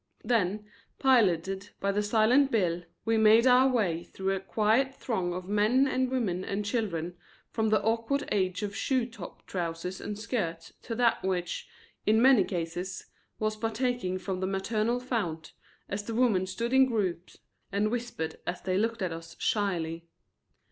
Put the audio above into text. Then, piloted by the silent Bill, we made our way through a quiet throng of men and women and children, from the awkward age of shoe top trousers and skirts to that which, in many cases, was partaking from the maternal fount, as the women stood in groups and whispered as they looked at us shyly.